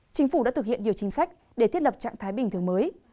chính phủ đã thực hiện nhiều chính sách để thiết lập trạng thái bình thường mới